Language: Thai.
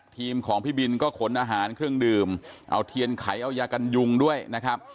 ทีมของพี่บินก็ขนอาหารเครื่องดื่มเอาเทียนไขเอายากันยุงด้วยนะครับ